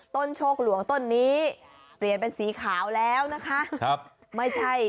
ต้นโชคหลวงต้นนี้เปลี่ยนเป็นสีขาวแล้วนะคะ